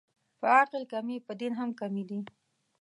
په عقل کمې، په دین هم کمې دي